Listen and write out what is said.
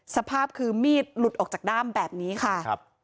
สภาพคือมีดหลุดออกจากด้ามแบบนี้ค่ะ